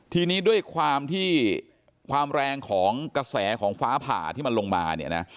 ทีนี้ด้วยความที่ความแรงของกระแสของฟ้าผ่าที่มันลงมาเนี่ยนะ